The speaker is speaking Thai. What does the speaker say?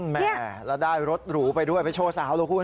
แม่แล้วได้รถหรูไปด้วยไปโชว์สาวเหรอคุณ